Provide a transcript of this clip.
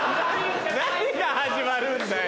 何が始まるんだよ。